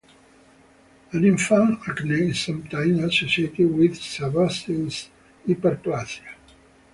In infants, acne is sometimes associated with sebaceous hyperplasia.